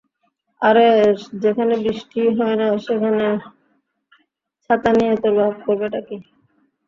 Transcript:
আরে যেখানে বৃষ্টিই হয় না, সেখানে ছাতা নিয়ে তোর বাপ করবেটা কী?